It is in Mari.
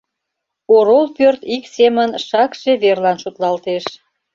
Орол пӧрт ик семын шакше верлан шотлалтеш.